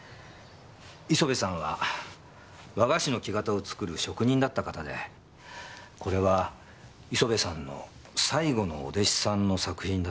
磯部さんは和菓子の木型を作る職人だった方でこれは磯部さんの最後のお弟子さんの作品だそうです。